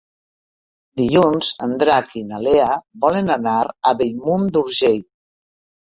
Dilluns en Drac i na Lea volen anar a Bellmunt d'Urgell.